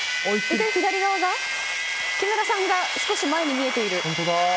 木村さんが少し前に見えている。